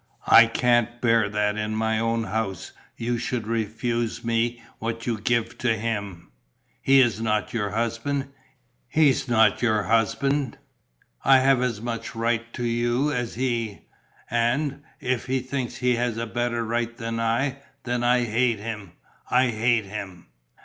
I can't bear that in my own house you should refuse me what you give to him.... He's not your husband! He's not your husband! I have as much right to you as he; and, if he thinks he has a better right than I, then I hate him, I hate him!..."